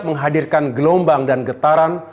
menghadirkan gelombang dan getaran